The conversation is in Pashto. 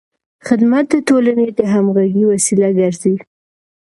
خدمت د ټولنې د همغږۍ وسیله ګرځي.